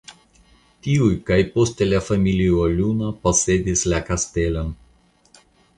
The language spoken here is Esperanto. Tiuj kaj poste la familio Luna posedis la kastelon.